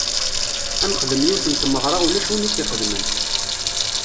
Ad nexdem yiwet n tmeɣra ulac win i tt-ixedmen.